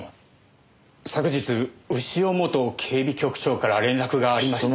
昨日潮元警備局長から連絡がありまして。